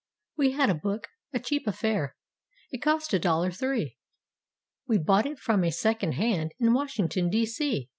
We had a book—a cheap affair—it cost a dollar three. We bought it from a "Second Hand" in Washing¬ ton, D. C.